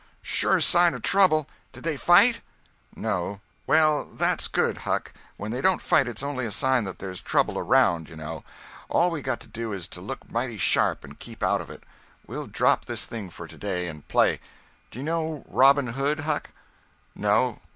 Sure sign of trouble. Did they fight?" "No." "Well, that's good, Huck. When they don't fight it's only a sign that there's trouble around, you know. All we got to do is to look mighty sharp and keep out of it. We'll drop this thing for today, and play. Do you know Robin Hood, Huck?" "No.